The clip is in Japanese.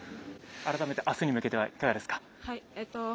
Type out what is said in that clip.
改めてあすに向けてはいかがですか。